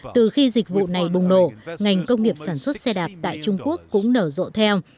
từ khi dịch vụ này bùng nổ ngành công nghiệp sản xuất xe đạp tại trung quốc cũng nở rộ theo